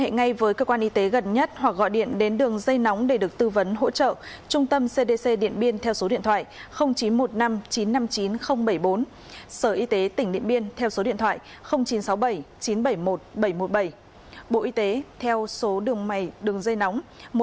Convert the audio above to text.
hai liên hệ ngay với cơ quan y tế gần nhất hoặc gọi điện đến đường dây nóng để được tư vấn hỗ trợ trung tâm cdc điện biên theo số điện thoại chín trăm một mươi năm chín trăm năm mươi chín nghìn bảy mươi bốn sở y tế tỉnh điện biên theo số điện thoại chín trăm sáu mươi bảy chín trăm bảy mươi một bảy trăm một mươi bảy bộ y tế theo số đường dây nóng một nghìn chín trăm linh chín nghìn chín mươi năm